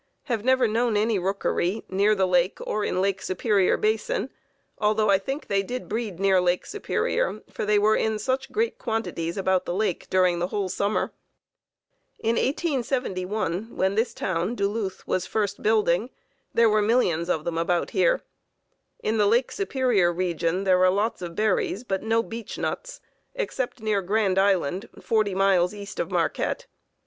Have never known any rookery near the lake or in Lake Superior Basin, although I think they did breed near Lake Superior, for they were in such great quantities about the lake during the whole summer. In 1871 when this town (Duluth) was first building, there were millions of them about here. In the Lake Superior region there are lots of berries but no beech nuts, except near Grand Island, 40 miles east of Marquette.